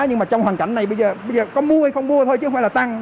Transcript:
nhưng mà trong hoàn cảnh này bây giờ có mua hay không mua thôi chứ không phải là tăng